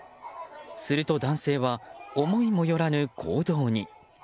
すると、男性は思いもよらぬ行動に。